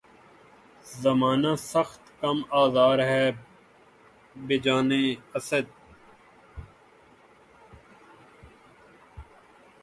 زمانہ سخت کم آزار ہے بجانِ اسد